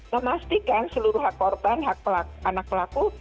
memastikan seluruh hak korban hak anak pelaku